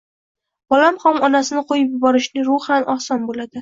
Bola ham onasini qo‘yib yuborishi ruhan oson bo‘ladi